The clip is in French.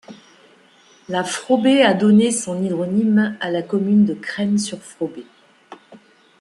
La Fraubée a donne son hydronyme à la commune de Crennes-sur-Fraubée.